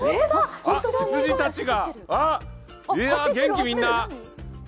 羊たちが、いや、元気、みんな。